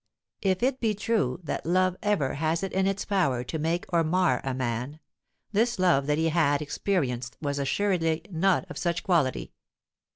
If it be true that love ever has it in its power to make or mar a man, this love that he had experienced was assuredly not of such quality.